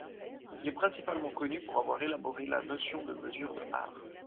Il est principalement connu pour avoir élaboré la notion de mesure de Haar.